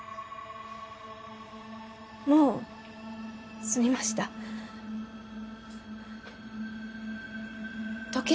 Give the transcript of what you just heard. もうすみました時計